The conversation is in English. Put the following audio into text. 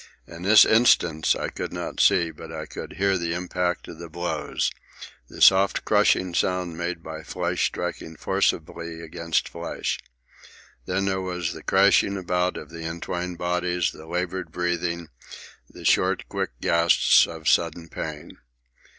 In this instance I could not see, but I could hear the impact of the blows—the soft crushing sound made by flesh striking forcibly against flesh. Then there was the crashing about of the entwined bodies, the laboured breathing, the short quick gasps of sudden pain.